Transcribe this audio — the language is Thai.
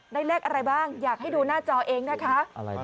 เลขอะไรบ้างอยากให้ดูหน้าจอเองนะคะ